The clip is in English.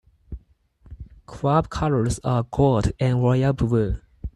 Club colours are gold and royal blue.